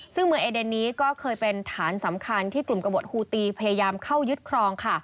ซึ่งเมืองเอเดนนี้ก็เคยเป็นฐานสำคัญที่กลุ่มกระบดฮูตีพยายามเข้ายึดครองค่ะ